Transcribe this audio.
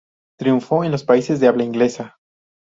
Triunfó en los países de habla inglesa.